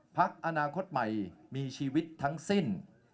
พักอนาคตใหม่มีชีวิตทั้งสิ้น